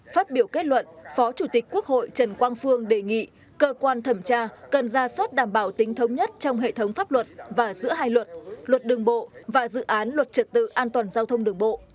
phát biểu kết luận phó chủ tịch quốc hội trần quang phương đề nghị cơ quan thẩm tra cần ra soát đảm bảo tính thống nhất trong hệ thống pháp luật và giữa hai luật luật đường bộ và dự án luật trật tự an toàn giao thông đường bộ